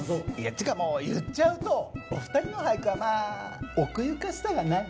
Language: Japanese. ってかもう言っちゃうとお２人の俳句はまぁ奥ゆかしさがない？